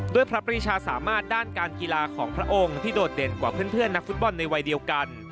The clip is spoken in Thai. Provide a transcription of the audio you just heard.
พระปริชาสามารถด้านการกีฬาของพระองค์ที่โดดเด่นกว่าเพื่อนนักฟุตบอลในวัยเดียวกัน